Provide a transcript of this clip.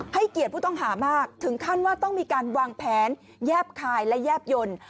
เกียรติผู้ต้องหามากถึงขั้นว่าต้องมีการวางแผนแยบคายและแยบยนต์